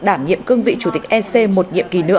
đảm nhiệm cương vị chủ tịch ec một nhiệm kỳ nữa